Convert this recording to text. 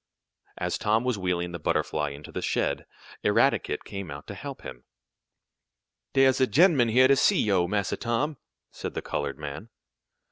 As Tom was wheeling the Butterfly into the shed, Eradicate came out to help him. "Dere's a gen'man here to see yo', Massa Tom," said the colored man.